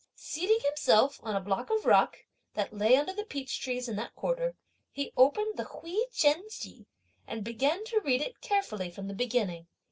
Seating himself on a block of rock, that lay under the peach trees in that quarter, he opened the Hui Chen Chi and began to read it carefully from the beginning.